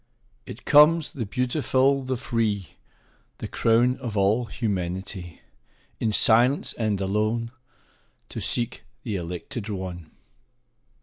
It comes, — the beautiful, the free, Tl: >wn of all humanity, — In silence and alone 2Q To seek the elected one.